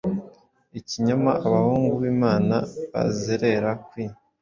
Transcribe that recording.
Ikinyoma Abahungu bImana, bazerera kwii